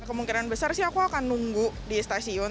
kemungkinan besar sih aku akan nunggu di stasiun